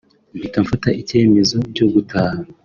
mpita mfata icyemezo cyo gutaha